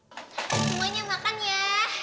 semuanya makan ya